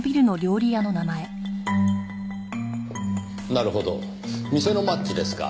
なるほど店のマッチですか。